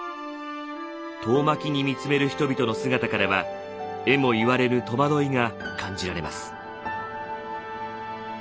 遠巻きに見つめる人々の姿からはえも言われぬ戸惑いが感じられます。